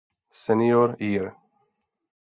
Senior Year.